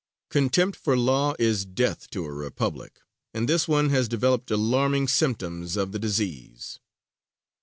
Contempt for law is death to a republic, and this one has developed alarming symptoms of the disease.